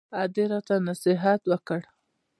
ادې راته نصيحت وکړ.